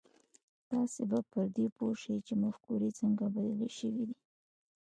تاسې به پر دې پوه شئ چې مفکورې څنګه بدلې شوې.